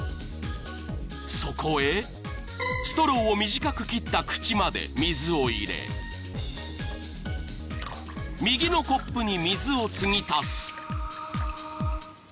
［そこへストローを短く切った口まで水を入れ右のコップに水をつぎ足す］